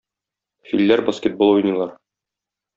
Филләр баскетбол уйныйлар